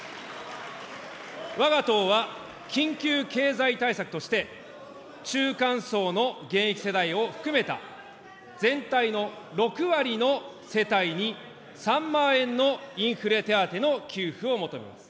わが党は緊急経済対策として、中間層の現役世代を含めた全体の６割の世帯に３万円のインフレ手当の給付を求めます。